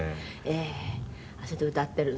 ええ、それで歌ってる。